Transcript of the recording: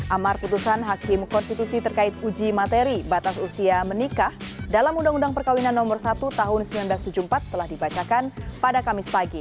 amar putusan hakim konstitusi terkait uji materi batas usia menikah dalam undang undang perkawinan no satu tahun seribu sembilan ratus tujuh puluh empat telah dibacakan pada kamis pagi